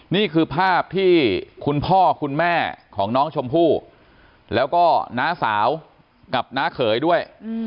นี่คือภาพที่คุณพ่อคุณแม่ของน้องชมพู่แล้วก็น้าสาวกับน้าเขยด้วย